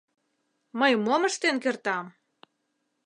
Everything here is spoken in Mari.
— Мый мом ыштен кертам?